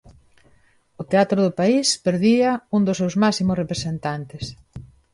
O teatro do país perdía un dos seus máximos representantes.